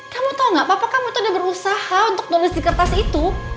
kamu tau gak bapak kamu tuh udah berusaha untuk nulis di kertas itu